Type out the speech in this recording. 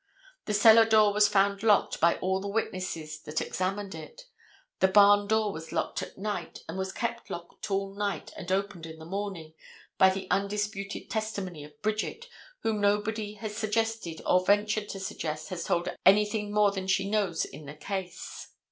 The cellar door was found locked by all the witnesses that examined it. The barn door was locked at night and was kept locked all night and opened in the morning, by the undisputed testimony of Bridget, whom nobody has suggested or ventured to suggest has told anything more than she knows in the case.